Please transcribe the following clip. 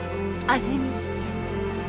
味見？